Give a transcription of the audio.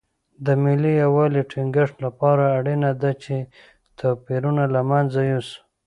د ملي یووالي ټینګښت لپاره اړینه ده چې توپیرونه له منځه یوسو.